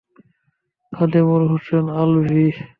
Khademul Hossain Alvi.